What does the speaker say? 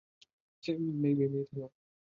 মেই-মেই, থামো।